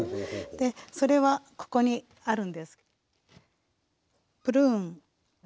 それはここにあるんです。